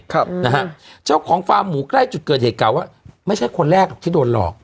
ครับนะฮะเจ้าของฟาร์มหมูใกล้จุดเกิดเหตุกล่าวว่าไม่ใช่คนแรกหรอกที่โดนหลอก